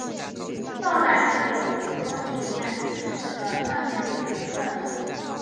后来又有许多实验支持了上面的结论。